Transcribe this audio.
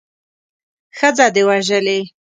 ښځه دې وژلې.